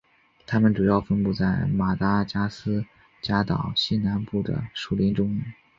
它们主要分布在马达加斯加岛西南部的树林中。